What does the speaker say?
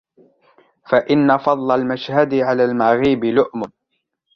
فَإِنَّ فَضْلَ الْمَشْهَدِ عَلَى الْمَغِيبِ لُؤْمٌ